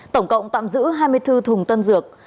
tổng cộng tạm giữ hai mươi bốn thùng tân dược